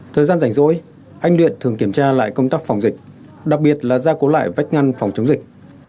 thời gian rảnh rỗi anh luyện thường kiểm tra lại công tác phòng dịch đặc biệt là gia cố lại vách ngăn phòng chống dịch